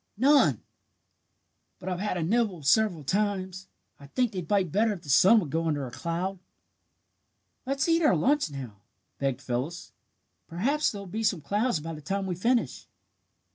"None but I've had a nibble several times. I think they'd bite better if the sun would go under a cloud." "Let's eat our lunch now," begged Phyllis. "Perhaps there'll be some clouds by the time we finish."